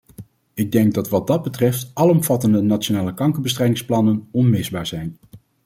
Ik denk dat wat dat betreft alomvattende nationale kankerbestrijdingsplannen onmisbaar zijn.